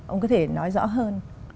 ông có thể nói rõ hơn